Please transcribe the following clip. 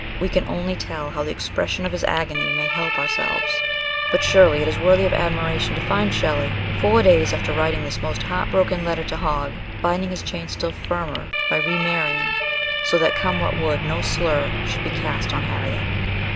We can only tell how the expression of his agony may help ourselves; but surely it is worthy of admi ration to find Shelley, four days after writing this most heart broken letter to Hogg, binding his chains still firmer by remarrying, so that, come what would, no slur should be cast on Harriet.